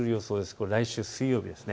これは来週水曜日です。